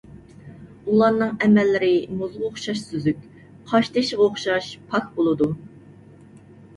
ئۇلارنىڭ ئەمەللىرى مۇزغا ئوخشاش سۈزۈك، قاشتېشىغا ئوخشاش پاك بولىدۇ.